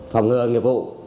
phòng ngừa nghiệp vụ